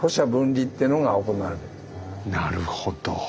なるほど。